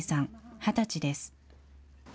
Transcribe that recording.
２０歳です。